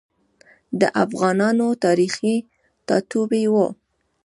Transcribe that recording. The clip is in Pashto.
د افغانانو تاریخي ټاټوبی و.